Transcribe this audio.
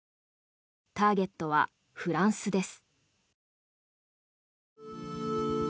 ターゲットはフランスです。